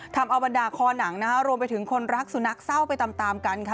ทำเอาบรรดาคอหนังนะคะรวมไปถึงคนรักสุนัขเศร้าไปตามตามกันค่ะ